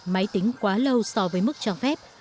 máy tính quá lâu so với mức cho phép